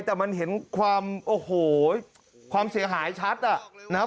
แต่มันเห็นความโอ้โหความเสียหายชัดอ่ะนะครับ